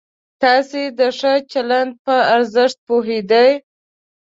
تاسې د ښه چلند په ارزښت پوهېدئ؟